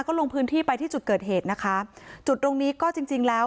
ก็ลงพื้นที่ไปที่จุดเกิดเหตุนะคะจุดตรงนี้ก็จริงจริงแล้ว